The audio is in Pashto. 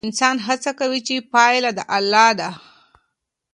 انسان هڅه کوي خو پایله د الله ده.